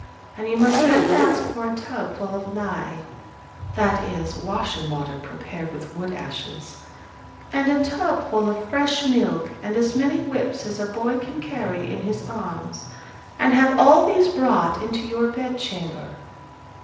And you must then ask for a tub full of lye," (that is, washing water prepared with wood ashes) "and a tub full of fresh milk, and as many whips as a boy can carry in his arms, and have all these brought into your bed chamber.